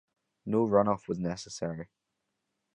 No runoff was necessary.